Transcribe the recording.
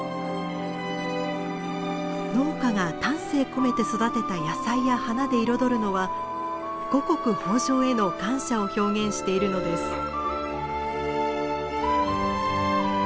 農家が丹精込めて育てた野菜や花で彩るのは五穀豊穣への感謝を表現しているのです。